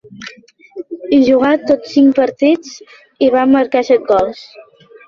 Hi jugà tots cinc partits, i va marcar set gols.